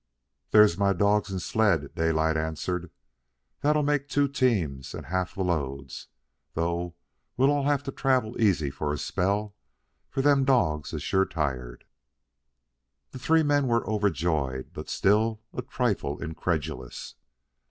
"There's my dawgs and sled," Daylight answered. "That'll make two teams and halve the loads though we all'll have to travel easy for a spell, for them dawgs is sure tired." The three men were overjoyed, but still a trifle incredulous.